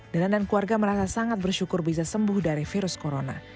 danan dan keluarga merasa sangat bersyukur bisa sembuh dari virus corona